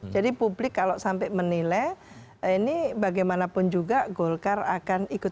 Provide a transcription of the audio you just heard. jadi publik kalau sampai menilai ini bagaimanapun juga golkar akan ikut